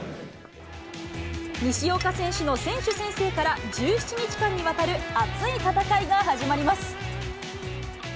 西岡選手の選手宣誓から、１７日間にわたる熱い戦いが始まります。